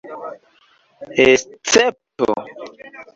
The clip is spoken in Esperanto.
escepto